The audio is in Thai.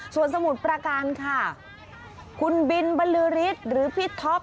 ส่วนสมุทรประการค่ะคุณบินบรรลือฤทธิ์หรือพี่ท็อป